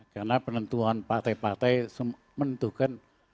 karena penentuan partai partai semua menentukan